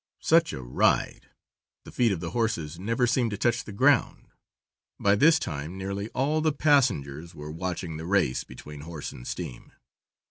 Such a ride! The feet of the horses never seemed to touch the ground. By this time nearly all the passengers were watching the race between horse and steam.